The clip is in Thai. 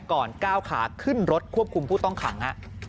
ก่อนก้าวขาขึ้นรถควบคุมผู้ต้องขัง